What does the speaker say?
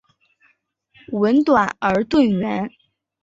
吻短而钝圆。